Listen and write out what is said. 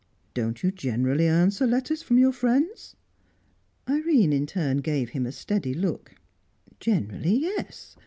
"Don't you generally answer letters from your friends?" Irene, in turn, gave him a steady look. "Generally, yes.